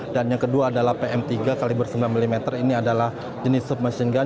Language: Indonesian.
dan yang kedua adalah pm tiga kaliber sembilan mm ini adalah jenis submachine gun